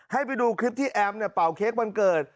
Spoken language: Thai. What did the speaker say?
ให้ไปดูคลิปที่แอมเป่าเค้กวันเกิด